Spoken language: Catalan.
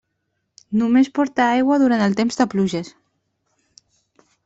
Només porta aigua durant el temps de pluges.